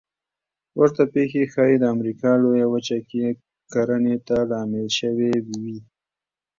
ورته پېښې ښایي د امریکا لویه وچه کې کرنې ته لامل شوې وي